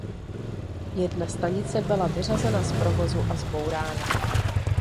Jedna stanice byla vyřazena z provozu a zbourána.